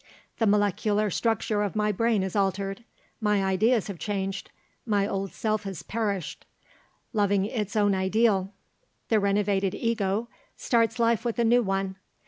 The molecular structure of my brain is altered; my ideas have changed; my old self has perished, loving its own ideal; the renovated ego starts life with a new one.